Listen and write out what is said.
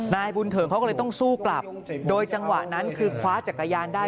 นายบุญเถิมเขาก็เลยต้องสู้กลับโดยจังหวะนั้นคือคว้าจักรยานได้